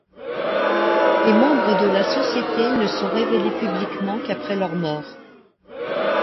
Les membres de la société ne sont révélés publiquement qu'après leur mort.